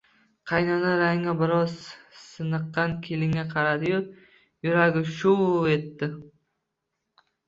Qaynona rangi biroz siniqqan keliniga qaradi-yu, yuragi shuv etdi